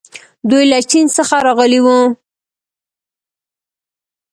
دوی له چین څخه راغلي وو